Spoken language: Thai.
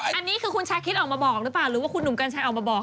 อันนี้คือคุณชาคิดออกมาบอกหรือเปล่าหรือว่าคุณหนุ่มกัญชัยออกมาบอก